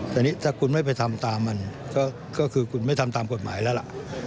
แต่นี่ถ้าคุณไม่ไปทำตามมันก็คือคุณไม่ทำตามกฎหมายแล้วล่ะ